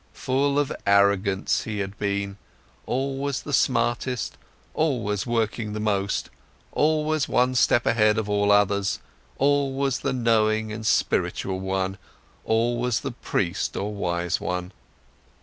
Full of arrogance, he had been, always the smartest, always working the most, always one step ahead of all others, always the knowing and spiritual one, always the priest or wise one.